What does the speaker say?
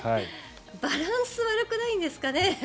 バランス悪くないんですかね？